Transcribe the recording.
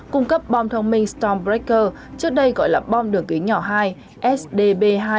cung cấp bom thông minh stormbreaker trước đây gọi là bom đường kính nhỏ hai sdb hai